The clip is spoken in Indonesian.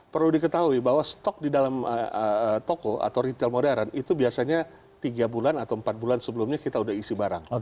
perlu diketahui bahwa stok di dalam toko atau retail modern itu biasanya tiga bulan atau empat bulan sebelumnya kita sudah isi barang